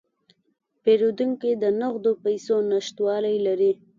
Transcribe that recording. پیرودونکی د نغدو پیسو نشتوالی لري.